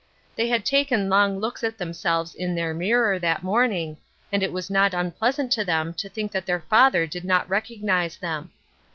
They had taken long looks at themselves in their mirror, that morning, and it was not un pleasant to them to think that their father did not recognize them.